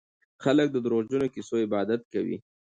خلک د دروغجنو کيسو عبادت کوي.